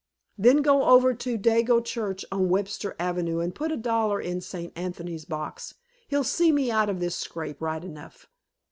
Then go over to the Dago Church on Webster Avenue and put a dollar in Saint Anthony's box. He'll see me out of this scrape, right enough.